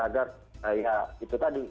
agar ya itu tadi